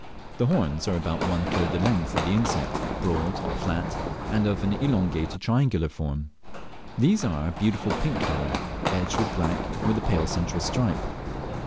The horns are about one third the length of the insect, broad, flat, and of an elongated triangular foam. They are of a beautiful pink colour, edged with black, and with a pale central stripe.